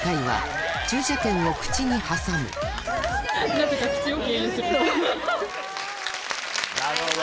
なるほど。